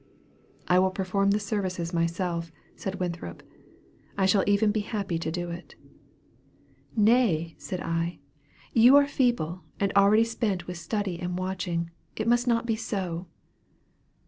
"I will perform the services myself," said Winthrop. "I shall even be happy to do it." "Nay," said I, "you are feeble, and already spent with study and watching. It must not be so."